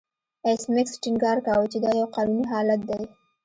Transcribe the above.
ایس میکس ټینګار کاوه چې دا یو قانوني حالت دی